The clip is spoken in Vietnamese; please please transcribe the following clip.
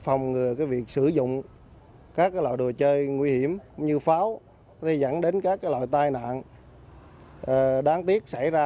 phòng ngừa việc sử dụng các loại đồ chơi nguy hiểm như pháo dẫn đến các loại tai nạn đáng tiếc xảy ra